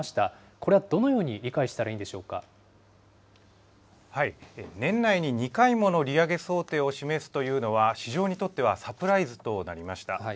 これはどのように理解したらいい年内に２回もの利上げ想定を示すというのは、市場にとってはサプライズとなりました。